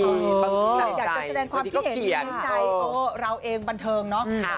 อยากจะแสดงความคิดเห็นในใจตัวเราเองบันเทิงเนาะ